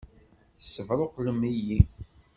Tessebṛuqlem-iyi!